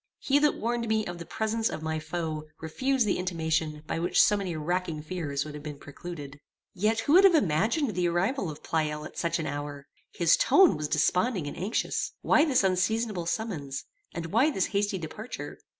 He that warned me of the presence of my foe refused the intimation by which so many racking fears would have been precluded. Yet who would have imagined the arrival of Pleyel at such an hour? His tone was desponding and anxious. Why this unseasonable summons? and why this hasty departure?